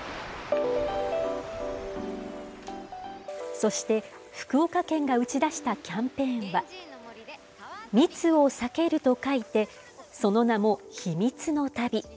そして、福岡県が打ち出したキャンペーンは、密を避けると書いて、その名も、避密の旅。